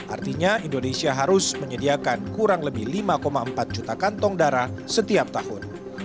artinya indonesia harus menyediakan kurang lebih lima empat juta kantong darah setiap tahun